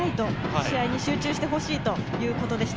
試合に集中してほしいということでした。